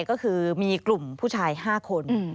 ก็คือมีกลุ่มผู้ชาย๕คน